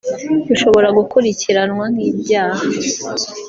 bishobora gukurikiranwa nk’ibyaha